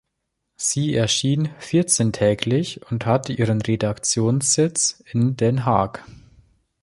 Sie erschien vierzehntäglich und hatte ihren Redaktionssitz in Den Haag.